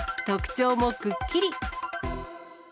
特徴もくっきり。